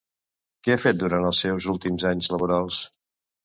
Què ha fet durant els seus últims anys laborals?